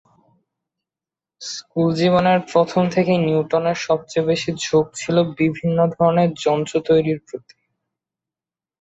School জীবনের প্রথম থেকেই নিউটনের সবচেয়ে বেশি ঝোঁক ছিল বিভিন্ন ধরনের যন্ত্র তৈরির প্রতি।